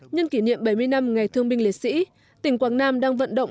nhân kỷ niệm bảy mươi năm ngày thương binh liệt sĩ tỉnh quảng nam đang vận động